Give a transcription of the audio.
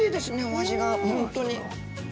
お味が本当に。